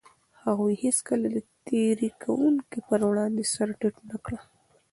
هغوی هيڅکله د تېري کوونکو پر وړاندې سر ټيټ نه کړ.